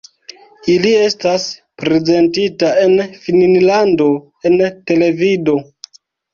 Ili estas prezentita en Finnlando en televido.